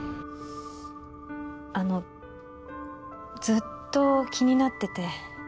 あのずっと気になってて